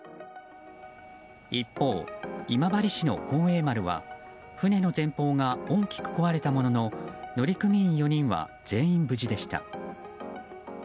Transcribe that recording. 一方、今治市の「幸栄丸」は船の前方が大きく壊れたものの乗組員４人は全員無事でした。